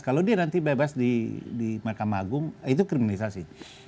kalau dia nanti bebas di mahkamah agung itu kriminalisasi